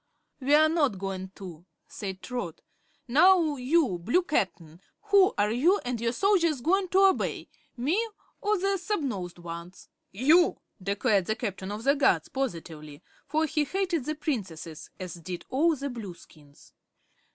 "We're not goin' to," said Trot. "Now, you Blue Cap'n, who are you and your soldiers going to obey me or the snubnosed ones?" "You!" declared the Captain of the Guards, positively, for he hated the Princesses, as did all the Blueskins.